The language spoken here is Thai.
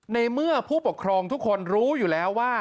ในเมื่อผู้ปกครองทุกคนรู้อยู่แล้วว่า